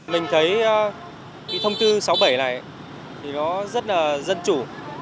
mình thấy thông tư sáu mươi bảy này rất là dân chủ